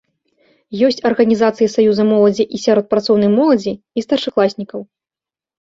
Ёсць арганізацыі саюза моладзі і сярод працоўнай моладзі і старшакласнікаў.